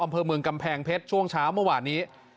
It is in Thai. อำเภอเมืองกำแพงเพชรช่วงเช้าเมื่อวานนี้